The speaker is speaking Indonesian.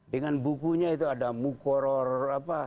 dengan bukunya itu ada mukoror apa